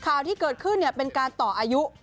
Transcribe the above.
ข่าวที่เกิดขึ้นเป็นการต่ออายุ